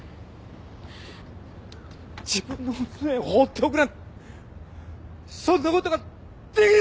自分の娘をほうっておくなんてそんなことができるか！